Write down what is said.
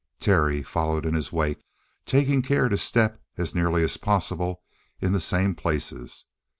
Terry followed in his wake, taking care to step, as nearly as possible, in the same places.